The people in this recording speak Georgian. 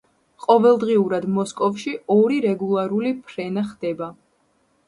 ყოველდღიურად მოსკოვში ორი რეგულარული ფრენა ხდება.